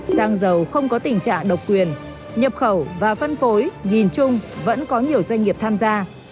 sang dầu không có tình trạng độc quyền nhập khẩu và phân phối nhìn chung vẫn có nhiều doanh nghiệp tham gia